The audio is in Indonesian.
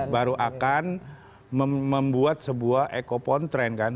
baru akan membuat sebuah ekopontren kan